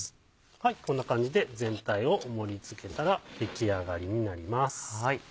こんな感じで全体を盛り付けたら出来上がりになります。